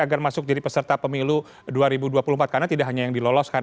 agar masuk jadi peserta pemilu dua ribu dua puluh empat karena tidak hanya yang diloloskan